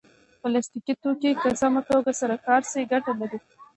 پلاستيکي توکي که سمه توګه سره کار شي ګټه لري.